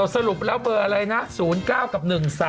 สรุปแล้วเบอร์อะไรนะ๐๙กับ๑๓